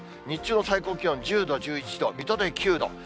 日中の最高気温、１０度、１１度、水戸で９度。